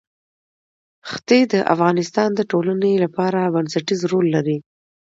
ښتې د افغانستان د ټولنې لپاره بنسټيز رول لري.